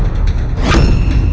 apalagi membunuh manusia